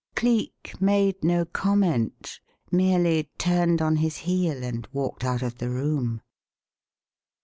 Cleek made no comment; merely turned on his heel and walked out of the room.